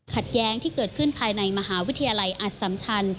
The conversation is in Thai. แย้งที่เกิดขึ้นภายในมหาวิทยาลัยอัตสัมชัน